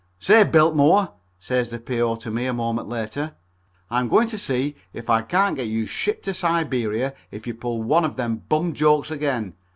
"Say, Biltmore," says the P.O. to me a moment later, "I'm going to see if I can't get you shipped to Siberia if you pull one of them bum jokes again.